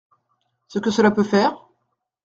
Ce que cela peut faire ?…